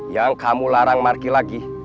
yang kamu larang marki lagi